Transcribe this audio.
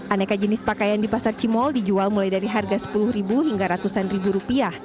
aneka jenis pakaian di pasar cimol dijual mulai dari harga rp sepuluh hingga ratusan ribu rupiah